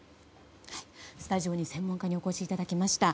スタジオに専門家にお越しいただきました。